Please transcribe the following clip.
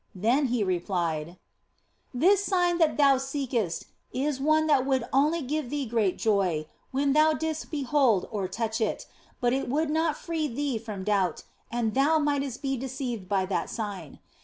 Then He replied :" This sign that thou seekest is one that would only give thee great joy when thou didst behold or touch it, but it would not free thee from doubt, and thou mightest be deceived by that sign.